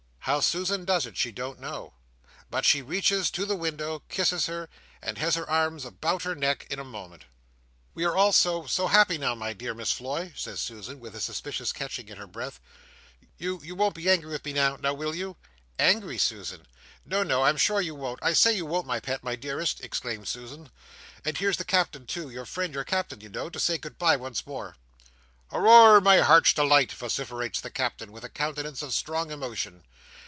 How Susan does it, she don't know, but she reaches to the window, kisses her, and has her arms about her neck, in a moment. "We are all so—so happy now, my dear Miss Floy!" says Susan, with a suspicious catching in her breath. "You, you won't be angry with me now. Now will you?" "Angry, Susan!" "No, no; I am sure you won't. I say you won't, my pet, my dearest!" exclaims Susan; "and here's the Captain too—your friend the Captain, you know—to say good bye once more!" "Hooroar, my Heart's Delight!" vociferates the Captain, with a countenance of strong emotion.